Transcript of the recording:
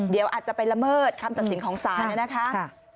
เดี๋ยวอาจจะไปละเมิดคำตัดสินของศาลนะคะ